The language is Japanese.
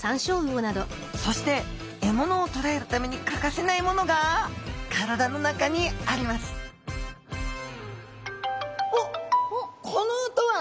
そしてえものをとらえるために欠かせないものが体の中にあります・おっこの音は！